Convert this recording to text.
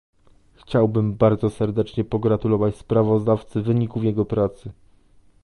Chciałbym bardzo serdecznie pogratulować sprawozdawcy wyników jego pracy